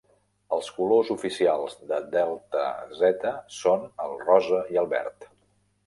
Els colors oficials de Delta Zeta són el rosa i el verd.